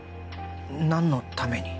何のために？